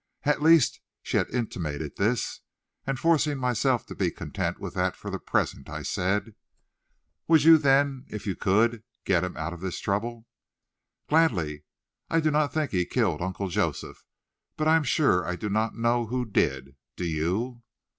At least, she had intimated this, and, forcing myself to be content with that for the present, I said: "Would you, then, if you could, get him out of this trouble?" "Gladly. I do not think he killed Uncle Joseph, but I'm sure I do not know who did. Do you?"